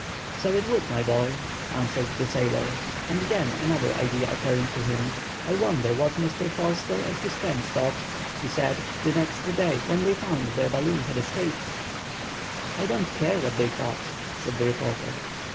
"So it would, my boy," answered the sailor; and then another idea occurring to him:— "I wonder what Mr. Forster and his friend thought," he said, "the next day, when they found they balloon had escaped?" "I don't care what they thought," said the reporter.